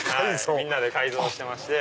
みんなで改造してまして。